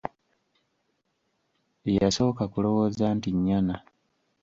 Yasooka kulowooza nti nnyana.